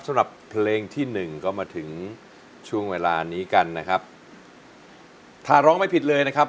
สำหรับเพลงที่หนึ่งก็มาถึงช่วงเวลานี้กันนะครับถ้าร้องไม่ผิดเลยนะครับ